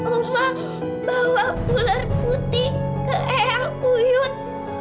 oma bawa ular putih ke eyang iyut